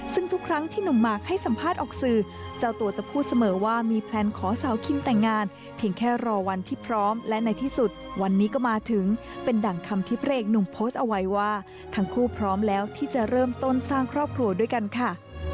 ซึ่งทุกครั้งที่หนุ่มหมากให้สัมภาษณ์ออกสื่อเจ้าตัวจะพูดเสมอว่ามีแพลนขอสาวคิมแต่งงานเพียงแค่รอวันที่พร้อมและในที่สุดวันนี้ก็มาถึงเป็นดั่งคำที่พระเอกหนุ่มโพสต์เอาไว้ว่าทั้งคู่พร้อมแล้วที่จะเริ่มต้นสร้างครอบครัวด้วยกันค่ะ